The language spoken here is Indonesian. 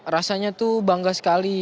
rasanya tuh bangga sekali